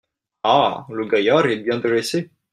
Ah ! le gaillard est bien dressé …